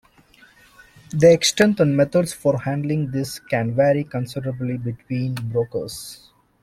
The extent and methods for handling this can vary considerably between brokers.